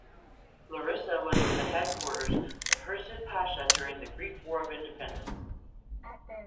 Larissa was the headquarters of Hursid Pasha during the Greek War of Independence.